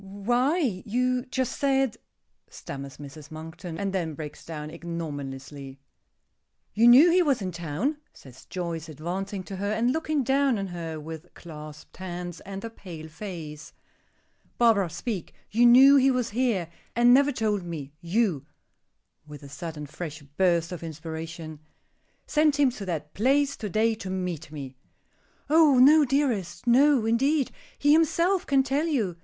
"Why you just said " stammers Mrs. Monkton, and then breaks down ignominiously. "You knew he was in town," says Joyce, advancing to her, and looking down on her with clasped hands and a pale face. "Barbara, speak. You knew he was here, and never told me; you," with a sudden, fresh burst of inspiration, "sent him to that place to day to meet me." "Oh, no, dearest. No, indeed. He himself can tell you.